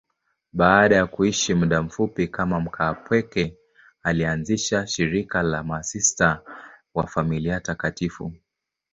Baada ya kuishi muda mfupi kama mkaapweke, alianzisha shirika la Masista wa Familia Takatifu.